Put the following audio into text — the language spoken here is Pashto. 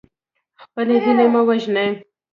خپلې هیلې مه وژنئ.